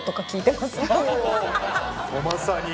まさに今。